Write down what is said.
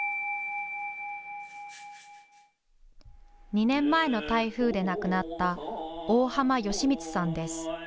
２年前の台風で亡くなった大浜芳満さんです。